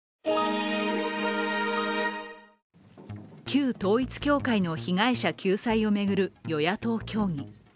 旧統一教会の被害者救済を巡る与野党協議。